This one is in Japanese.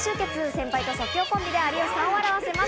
先輩と即興コンビで有吉さんを笑わせます。